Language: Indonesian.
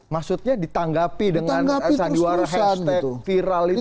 maksudnya ditanggapi dengan hashtag viral itu juga